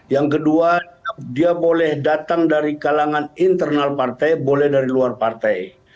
yang kedua dia boleh datang dari kalangan internal partai boleh dari luar partai